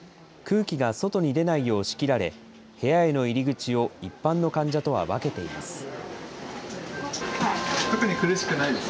空気が外に出ないよう仕切られ、部屋への入り口を一般の患者とは分けています。